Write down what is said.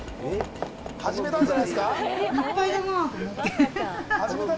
始めたんじゃないですか？